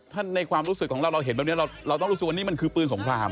ถ้าในความรู้สึกของเราเราเห็นแบบนี้เราต้องรู้สึกว่านี่มันคือปืนสงคราม